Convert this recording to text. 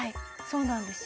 そうなんです。